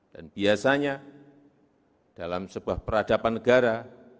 dan biasanya dalam sebuah peradaban negara